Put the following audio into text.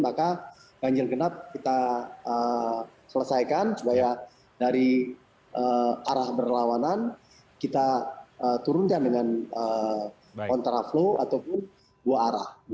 maka ganjil genap kita selesaikan supaya dari arah berlawanan kita turunkan dengan kontraflow ataupun dua arah